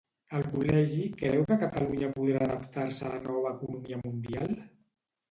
El Col·legi creu que Catalunya podrà adaptar-se a la nova economia mundial?